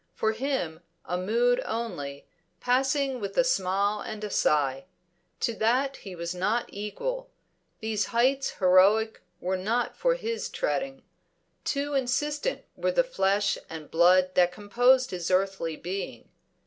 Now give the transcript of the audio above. For him, a mood only, passing with a smile and a sigh. To that he was not equal; these heights heroic were not for his treading. Too insistent were the flesh and blood that composed his earthly being.